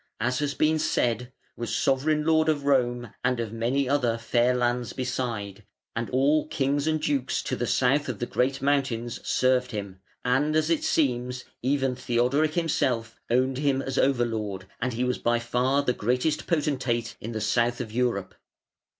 ] Now, Hermanric, as has been said, was sovereign lord of Rome and of many other fair lands beside: and all kings and dukes to the south of the great mountains served him, and, as it seems, even Theodoric himself owned him as over lord, and he was by far the greatest potentate in the south of Europe.